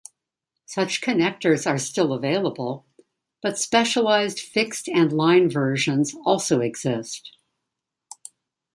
Such connectors are still available, but specialised fixed and line versions also exist.